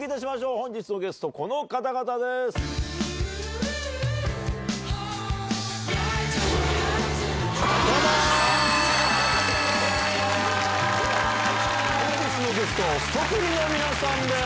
本日のゲストすとぷりの皆さんです。